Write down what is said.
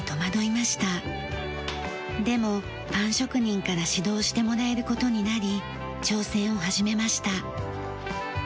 でもパン職人から指導してもらえる事になり挑戦を始めました。